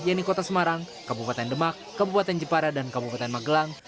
yaitu kota semarang kabupaten demak kabupaten jepara dan kabupaten magelang